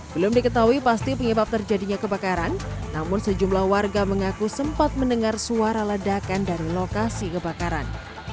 belum diketahui pasti penyebab terjadinya kebakaran namun sejumlah warga mengaku sempat mendengar suara ledakan dari lokasi kebakaran